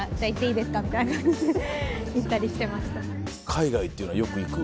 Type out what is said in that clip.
海外っていうのはよく行く？